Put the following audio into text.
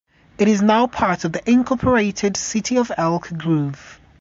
It is now part of the incorporated City of Elk Grove.